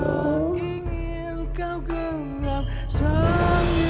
gak mungkin bang norman yang ada di sini